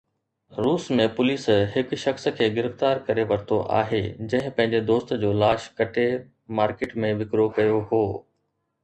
روس ۾ پوليس هڪ شخص کي گرفتار ڪري ورتو آهي جنهن پنهنجي دوست جو لاش ڪٽي مارڪيٽ ۾ وڪرو ڪيو هو